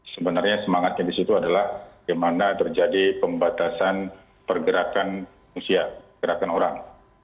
sebenarnya semangatnya di situ adalah bagaimana terjadi pembatasan pergerakan usia gerakan orang